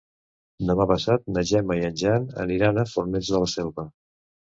Demà passat na Gemma i en Jan aniran a Fornells de la Selva.